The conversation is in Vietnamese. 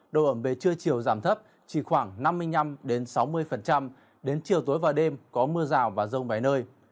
độ ẩm về trưa chiều giảm thấp chỉ khoảng năm mươi năm sáu mươi đến chiều tối và đêm có mưa rào và rông vài nơi